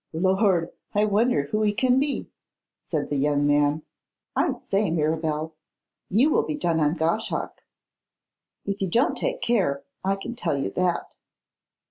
'Lord! I wonder who he can be!' said the young man. 'I say, Mirabel, you will be done on Goshawk, if you don't take care, I can tell you that.